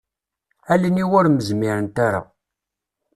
Allen-iw ur m-zmirent ara.